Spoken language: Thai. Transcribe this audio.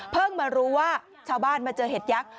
มารู้ว่าชาวบ้านมาเจอเห็ดยักษ์